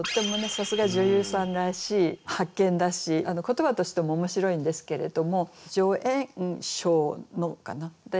さすが女優さんらしい発見だし言葉としても面白いんですけれども「じょえんしょうの」かな。